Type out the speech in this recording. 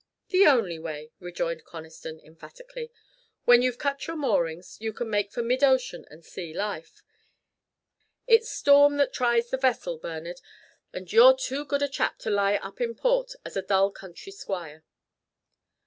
"The only way," rejoined Conniston, emphatically. "When you've cut your moorings you can make for mid ocean and see life. It's storm that tries the vessel, Bernard, and you're too good a chap to lie up in port as a dull country squire."